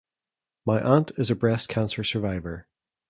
My aunt is a breast cancer survivor.